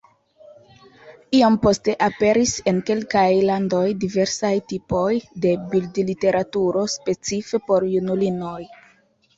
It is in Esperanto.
Iom poste aperis en kelkaj landoj diversaj tipoj de bildliteraturo specife por junulinoj.